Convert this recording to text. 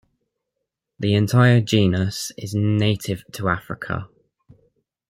The entire genus is native to Africa.